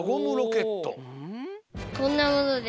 こんなものです。